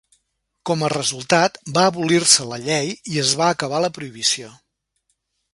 Com a resultat, va abolir-se la llei i es va acabar la prohibició.